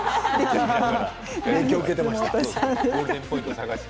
影響を受けていました。